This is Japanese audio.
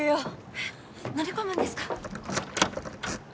えっ乗り込むんですか？